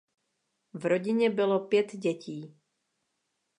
V rodině bylo pět dětí.